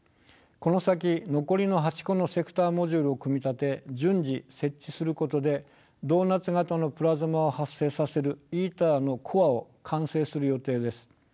この先残りの８個のセクターモジュールを組み立て順次設置することでドーナツ型のプラズマを発生させるＩＴＥＲのコアを完成する予定です。